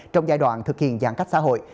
trong giai đoạn thực hiện giãn cách xã hội